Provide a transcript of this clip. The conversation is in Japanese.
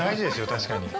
確かに。